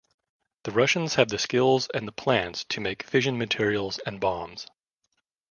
The Russians have the skills and the plants to make fission materials and bombs.